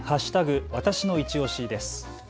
わたしのいちオシです。